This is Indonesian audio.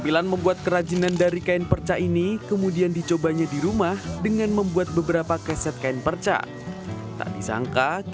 lambat laun usahanya terus berkembang